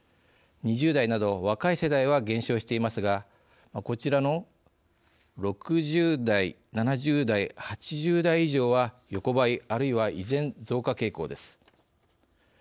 ２０代など若い世代は減少していますがこちらの６０代７０代８０代以上は横ばいあるいは依然増加傾向です。